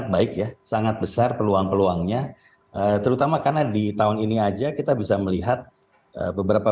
baik ya sangat besar peluang peluangnya terutama karena di tahun ini aja kita bisa melihat beberapa